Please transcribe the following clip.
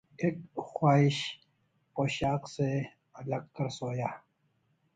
اپنی اِک خواہشِ پوشاک سے لگ کر سویا